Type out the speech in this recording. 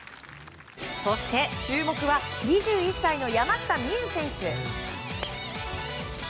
そして注目は２１歳の山下美夢有選手。